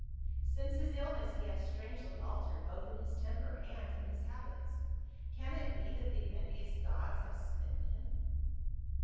" Since his illness he hath strangely altered, both in his temper and in his habits. Can it be that the envi ous gods have smitten him?"